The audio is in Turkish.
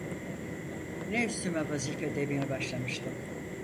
Ne üstüme vazife demeye başlamıştım.